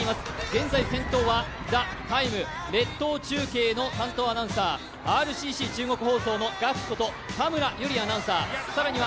現在先頭は「ＴＨＥＴＩＭＥ，」列島中継の担当アナウンサー、ＲＣＣ中国放送のガッツこと田村友里アナウンサー。